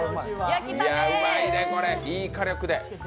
いやうまいで、これいい火力で。